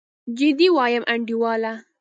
جدي وايم انډيواله.